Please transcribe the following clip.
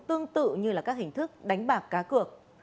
tương tự như là các hình thức đánh bạc cá cược